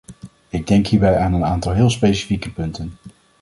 Ik denk hierbij aan een aantal heel specifieke punten.